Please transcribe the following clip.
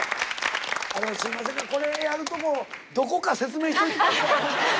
あのすいませんがこれやるとこどこか説明していって下さい。